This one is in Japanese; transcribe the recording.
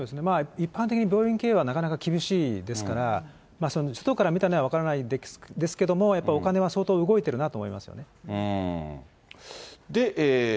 一般的に病院経営はなかなか厳しいですから、外から見たんじゃ分からないですけど、やっぱりお金が相当動いてるなと思いますよね。